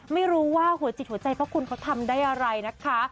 ไม่รู้ว่าหัวจิตหัวใจพระคุณเขาทำได้อะไรนะคะ